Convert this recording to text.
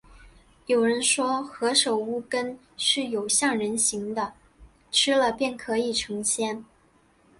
有人说，何首乌根是有像人形的，吃了便可以成仙